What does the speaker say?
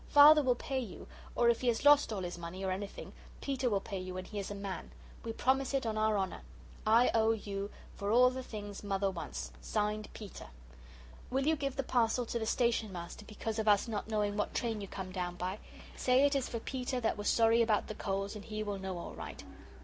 Father will pay you, or if he has lost all his money, or anything, Peter will pay you when he is a man. We promise it on our honer. I.O.U. for all the things Mother wants. "sined Peter. "Will you give the parsel to the Station Master, because of us not knowing what train you come down by? Say it is for Peter that was sorry about the coals and he will know all right.